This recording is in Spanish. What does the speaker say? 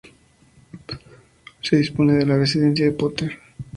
Él se dispone a la residencia Potter.